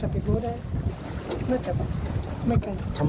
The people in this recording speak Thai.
พอพอจะคราศเต่าล่ะ